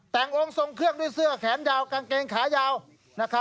เห็นตรงนี้แล้วหลอนเลยฮะ